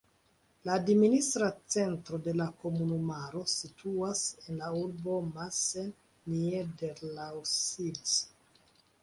La administra centro de la komunumaro situas en la urbo Massen-Niederlausitz.